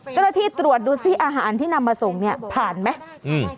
เจ้าหน้าที่ตรวจดูสิอาหารที่นำมาส่งเนี่ยผ่านไหมอืม